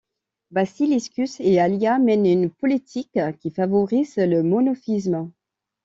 Basiliscus et Ælia mènent une politique qui favorise le monophysisme.